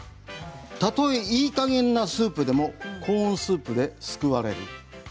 たとえいいかげんなスープでもコーンスープで救われる。